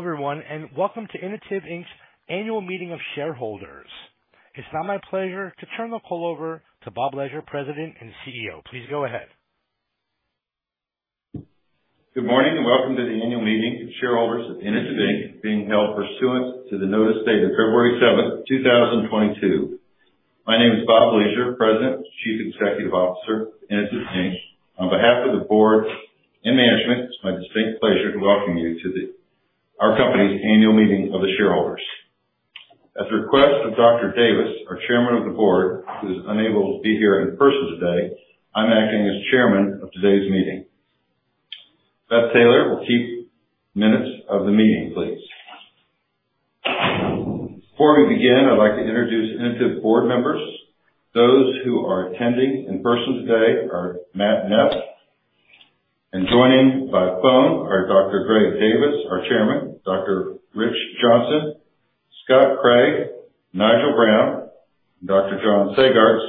Everyone, welcome to Inotiv, Inc.'s annual meeting of shareholders. It's now my pleasure to turn the call over to Bob Leasure, President and CEO. Please go ahead. Good morning, and welcome to the annual meeting of shareholders of Inotiv, Inc., being held pursuant to the notice dated February 7th, 2022. My name is Bob Leasure, President and Chief Executive Officer of Inotiv, Inc. On behalf of the board and management, it's my distinct pleasure to welcome you to our company's annual meeting of the shareholders. At the request of Dr. Davis, our Chairman of the Board, who is unable to be here in person today, I'm acting as Chairman of today's meeting. Beth Taylor will keep minutes of the meeting, please. Before we begin, I'd like to introduce Inotiv board members. Those who are attending in person today are Matt Neff. Joining by phone are Dr. Greg Davis, our Chairman, Dr. Rich Johnson, Scott Craig, Nigel Brown, and Dr. John Sagartz,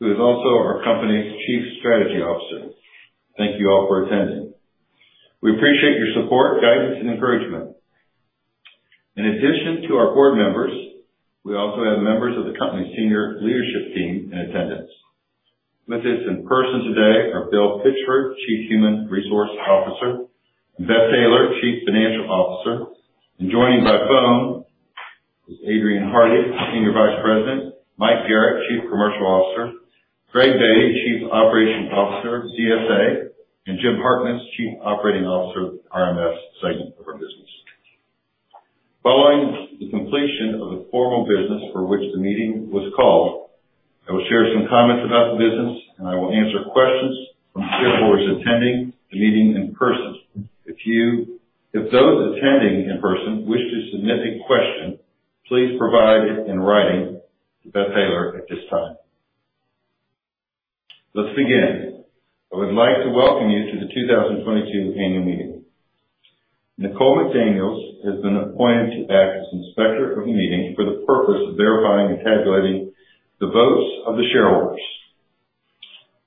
who is also our company's Chief Strategy Officer. Thank you all for attending. We appreciate your support, guidance, and encouragement. In addition to our board members, we also have members of the company's senior leadership team in attendance. With us in person today are Bill Pitchford, Chief Human Resources Officer, and Beth Taylor, Chief Financial Officer. Joining by phone is Adrian Hardy, Senior Vice President, Mike Garrett, Chief Commercial Officer, Greg Day, Chief Operations Officer, GSA, and Jim Harkness, Chief Operating Officer, RMS segment of our business. Following the completion of the formal business for which the meeting was called, I will share some comments about the business, and I will answer questions from shareholders attending the meeting in person. If those attending in person wish to submit a question, please provide it in writing to Beth Taylor at this time. Let's begin. I would like to welcome you to the 2022 annual meeting. Nicole McDaniel has been appointed to act as inspector of the meeting for the purpose of verifying and tabulating the votes of the shareholders.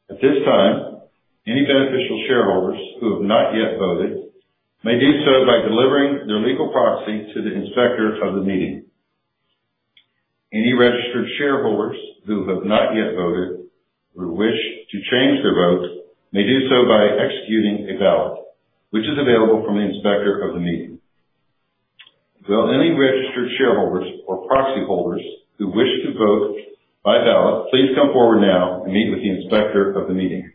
At this time, any beneficial shareholders who have not yet voted may do so by delivering their legal proxy to the inspector of the meeting. Any registered shareholders who have not yet voted or wish to change their vote may do so by executing a ballot, which is available from the inspector of the meeting. Will any registered shareholders or proxy holders who wish to vote by ballot, please come forward now and meet with the inspector of the meeting?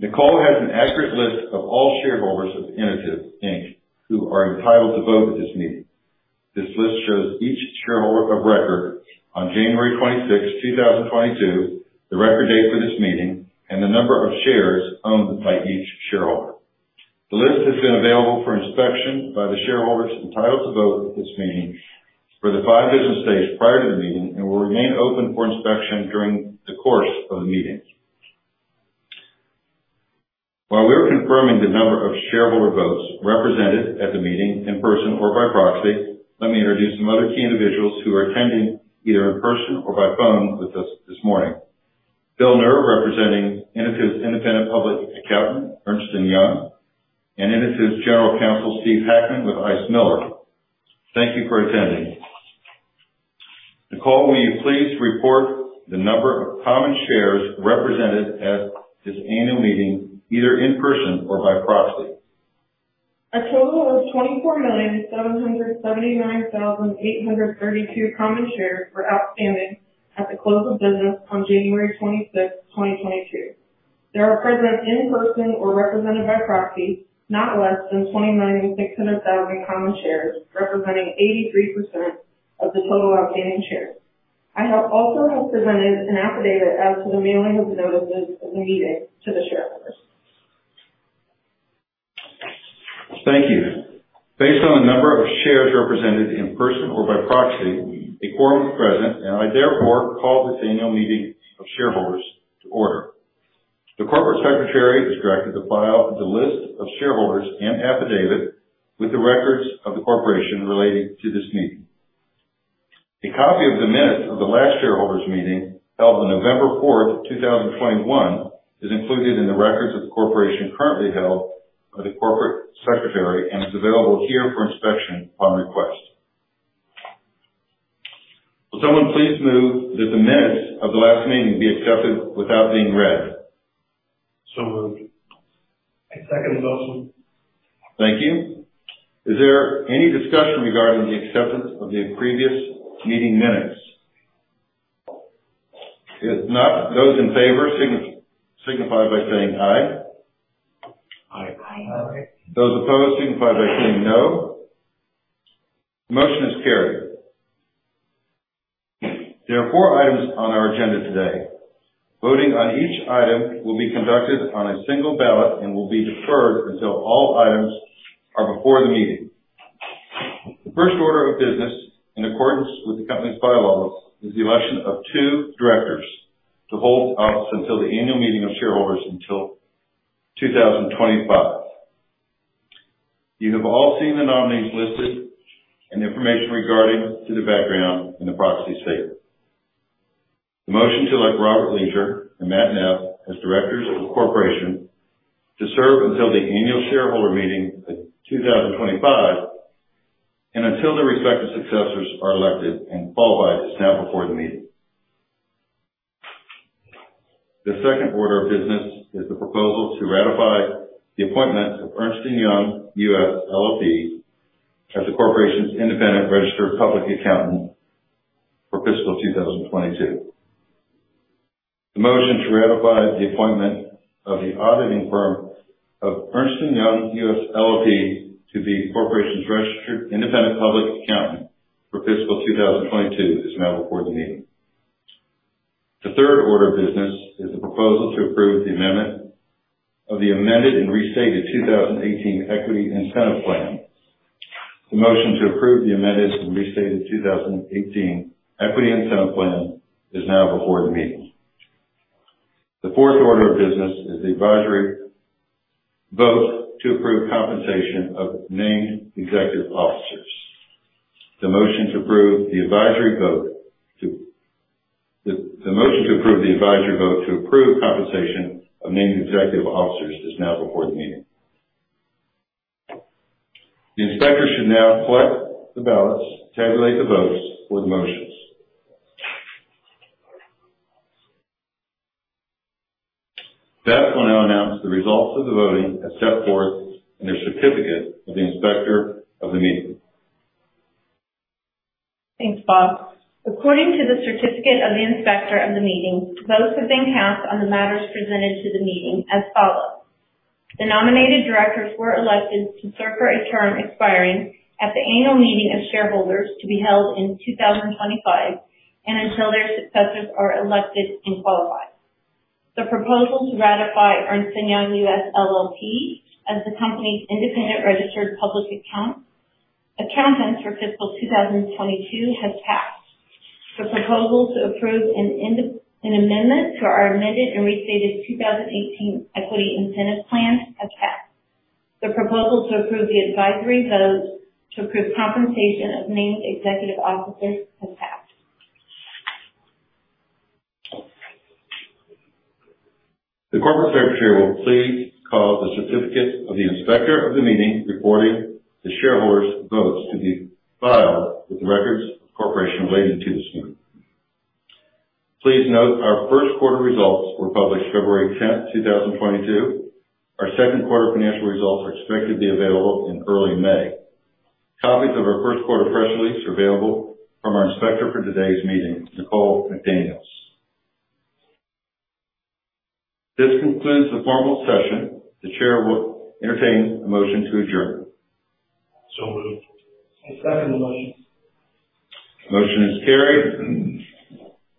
Nicole has an accurate list of all shareholders of Inotiv, Inc. who are entitled to vote at this meeting. This list shows each shareholder of record on January 26, 2022, the record date for this meeting, and the number of shares owned by each shareholder. The list has been available for inspection by the shareholders entitled to vote at this meeting for the five business days prior to the meeting and will remain open for inspection during the course of the meeting. While we are confirming the number of shareholder votes represented at the meeting in person or by proxy, let me introduce some other key individuals who are attending either in person or by phone with us this morning. Bill Nhr representing Inotiv's independent public accountant, Ernst & Young, and Inotiv's general counsel, Steve Hackman, with Ice Miller. Thank you for attending. Nicole, will you please report the number of common shares represented at this annual meeting, either in person or by proxy? A total of 24,779,832 common shares were outstanding at the close of business on January 26, 2022. There are present in person or represented by proxy, not less than 20,600,000 common shares, representing 83% of the total outstanding shares. I have also presented an affidavit as to the mailing of the notices of the meeting to the shareholders. Thank you. Based on the number of shares represented in person or by proxy, a quorum is present, and I therefore call this annual meeting of shareholders to order. The corporate secretary is directed to file the list of shareholders and affidavit with the records of the corporation relating to this meeting. A copy of the minutes of the last shareholders' meeting, held on November 4th, 2021, is included in the records of the corporation currently held by the corporate secretary and is available here for inspection upon request. Will someone please move that the minutes of the last meeting be accepted without being read? Moved. I second the motion. Thank you. Is there any discussion regarding the acceptance of the previous meeting minutes? If not, those in favor signify by saying, Aye. Aye. Aye. Aye. Those opposed signify by saying, "No." Motion is carried. There are four items on our agenda today. Voting on each item will be conducted on a single ballot and will be deferred until all items are before the meeting. The first order of business, in accordance with the company's bylaws, is the election of two directors to hold office until the annual meeting of shareholders in 2025. You have all seen the nominees listed and the information regarding the background in the proxy statement. The motion to elect Bob Leasure and Matt Neff as directors of the corporation to serve until the annual shareholder meeting in 2025 and until their respective successors are elected and qualified is now before the meeting. The second order of business is the proposal to ratify the appointment of Ernst & Young U.S. LLP as the corporation's independent registered public accountant for fiscal 2022. The motion to ratify the appointment of the auditing firm of Ernst & Young U.S. LLP to be the corporation's registered independent public accountant for fiscal 2022 is now before the meeting. The third order of business is the proposal to approve the amendment of the Amended and Restated 2018 Equity Incentive Plan. The motion to approve the Amended and Restated 2018 Equity Incentive Plan is now before the meeting. The fourth order of business is the advisory vote to approve compensation of named executive officers. The motion to approve the advisory vote to approve compensation of named executive officers is now before the meeting. The inspector should now collect the ballots, tabulate the votes for the motions. Beth will now announce the results of the voting as set forth in their certificate of the inspector of the meeting. Thanks, Bob. According to the certificate of the inspector of the meeting, votes have been cast on the matters presented to the meeting as follows: The nominated directors were elected to serve for a term expiring at the annual meeting of shareholders to be held in 2025 and until their successors are elected and qualified. The proposal to ratify Ernst & Young U.S. LLP as the company's independent registered public accountant for fiscal 2022 has passed. The proposal to approve an amendment to our Amended and Restated 2018 Equity Incentive Plan has passed. The proposal to approve the advisory vote to approve compensation of named executive officers has passed. The corporate secretary will please cause a certificate of the inspector of the meeting reporting the shareholders' votes to be filed with the records of the corporation relating to this meeting. Please note our first quarter results were published February 10th, 2022. Our second quarter financial results are expected to be available in early May. Copies of our first quarter press release are available from our inspector for today's meeting, Nicole McDaniel. This concludes the formal session. The chair will entertain a motion to adjourn. Moved. I second the motion. Motion is carried.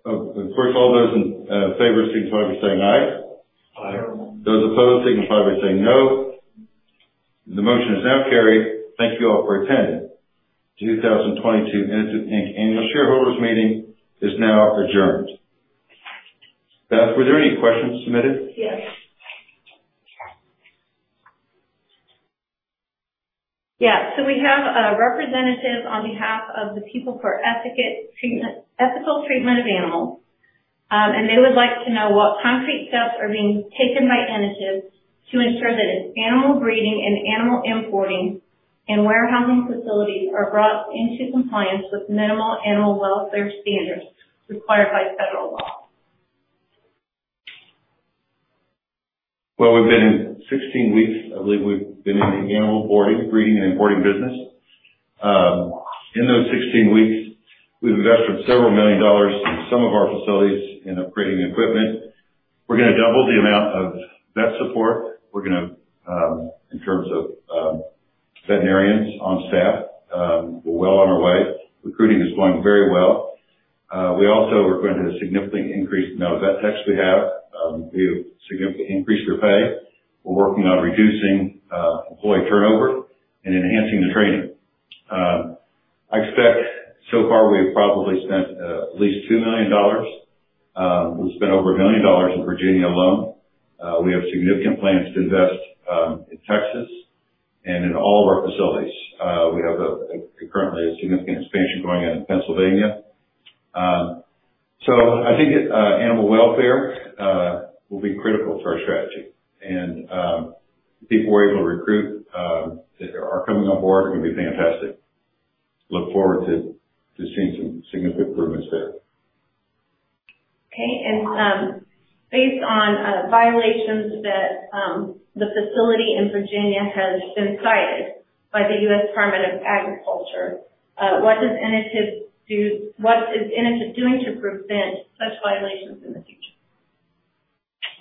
Of course, all those in favor signify by saying aye. Aye. Those opposed signify by saying no. The motion is now carried. Thank you all for attending. The 2022 Inotiv, Inc. Annual Shareholders Meeting is now adjourned. Beth, were there any questions submitted? We have a representative on behalf of the People for the Ethical Treatment of Animals, and they would like to know what concrete steps are being taken by Inotiv to ensure that its animal breeding and animal importing and warehousing facilities are brought into compliance with minimal animal welfare standards required by federal law. Well, we've been in the animal boarding, breeding and importing business for 16 weeks. In those 16 weeks, we've invested several million dollars in some of our facilities in upgrading equipment. We're gonna double the amount of vet support. We're gonna, in terms of veterinarians on staff, we're well on our way. Recruiting is going very well. We also are going to significantly increase the amount of vet techs we have. We will significantly increase their pay. We're working on reducing employee turnover and enhancing the training. I expect so far we have probably spent at least $2 million. We've spent over $1 million in Virginia alone. We have significant plans to invest in Texas and in all of our facilities. We have currently a significant expansion going on in Pennsylvania. I think animal welfare will be critical to our strategy. The people we're able to recruit that are coming on board are gonna be fantastic. I look forward to seeing some significant improvements there. Okay. Based on violations that the facility in Virginia has been cited by the U.S. Department of Agriculture, what is Inotiv doing to prevent such violations in the future?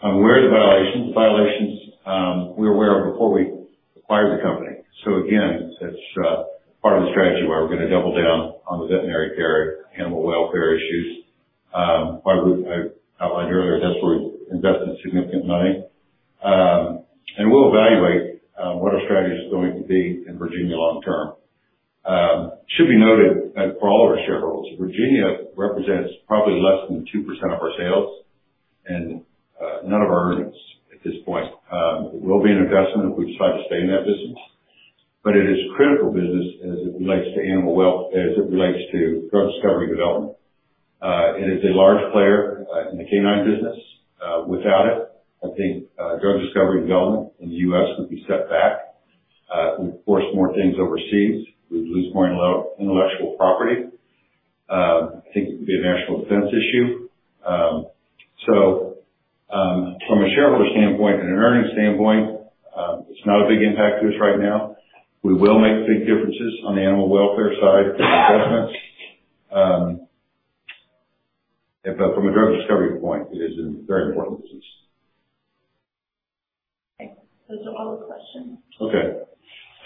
I'm aware of the violations. The violations, we were aware of before we acquired the company. Again, it's part of the strategy where we're gonna double down on the veterinary care, animal welfare issues. I outlined earlier, that's where we've invested significant money. We'll evaluate what our strategy is going to be in Virginia long term. It should be noted that for all of our shareholders, Virginia represents probably less than 2% of our sales and none of our earnings at this point. It will be an investment if we decide to stay in that business. It is critical business as it relates to animal welfare, as it relates to drug discovery development. It is a large player in the canine business. Without it, I think drug discovery development in the U.S. would be set back. We'd force more things overseas. We'd lose more intellectual property. I think it would be a national defense issue. From a shareholder standpoint and an earnings standpoint, it's not a big impact to us right now. We will make big differences on the animal welfare side of the investment. From a drug discovery point, it is a very important business. Okay. Those are all the questions. Okay.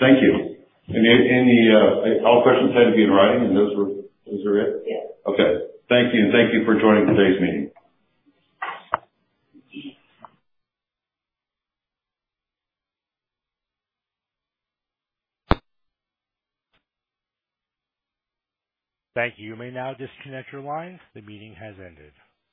Thank you. Any and all questions had to be in writing, and those were it? Yes. Okay. Thank you, and thank you for joining today's meeting. Thank you. You may now disconnect your lines. The meeting has ended.